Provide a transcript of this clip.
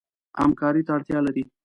همکارۍ ته اړتیا لري.